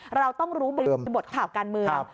เราต้องรู้บริบทข่าวการเมือง